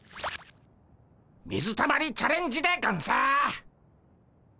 水たまりチャレンジでゴンス。